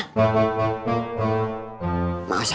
masa nungguin diusir